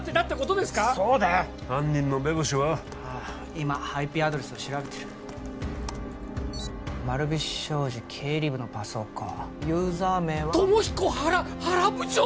今ＩＰアドレスを調べてる丸菱商事経理部のパソコンユーザー名はＴＯＭＯＨＩＫＯＨＡＲＡ原部長！